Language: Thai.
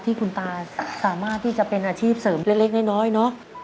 ที่คุณตาสามารถที่จะเป็นอาชีพเสริมเล็กน้อยเนอะ